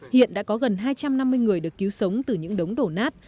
hiện đã có gần hai trăm năm mươi người được cứu sống từ những đống đổ nát